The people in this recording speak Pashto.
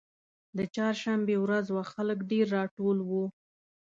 د چهارشنبې ورځ وه خلک ډېر راټول وو.